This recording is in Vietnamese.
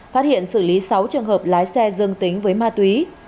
phát hiện xử lý sáu trường hợp lái xe dương tính với ma túy